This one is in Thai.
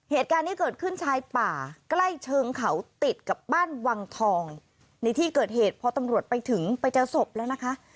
เหตุการณ์นี้เกิดขึ้นชายป่าใกล้เชิงเขาติดกับบ้านวังทองในที่เกิดเหตุพอตำรวจไปถึงไปเจอศพแล้วนะคะ